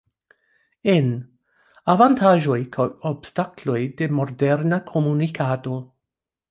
En: Avantaĝoj kaj obstakloj de moderna komunikado.